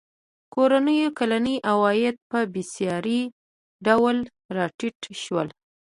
کورنیو کلني عواید په بېساري ډول راټیټ شول.